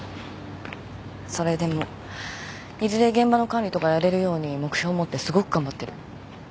それでもいずれ現場の管理とかやれるように目標持ってすごく頑張ってる。